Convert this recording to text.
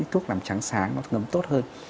thuốc làm trắng sáng nó ngấm tốt hơn